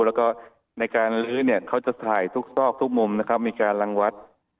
แล้วก็ในการลื้อเนี่ยเขาจะถ่ายทุกซอกทุกมุมนะครับมีการรังวัด